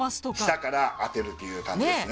下から当てるという感じですね。